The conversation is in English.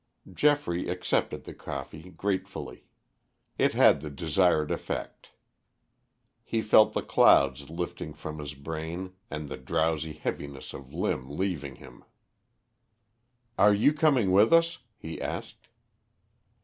Geoffrey accepted the coffee gratefully. It had the desired effect. He felt the clouds lifting from his brain and the drowsy heaviness of limb leaving him. "Are you coming with us?" he asked.